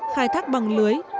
khai thác bằng lưới